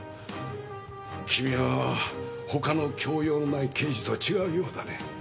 君は他の教養のない刑事とは違うようだね。